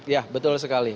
ya betul sekali